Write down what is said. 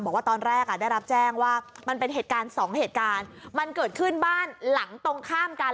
บอกว่าตอนแรกอ่ะได้รับแจ้งว่ามันเป็นเหตุการณ์สองเหตุการณ์มันเกิดขึ้นบ้านหลังตรงข้ามกัน